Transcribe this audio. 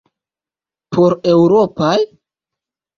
Por eŭropaj?